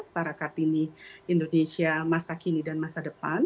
para kartini indonesia masa kini dan masa depan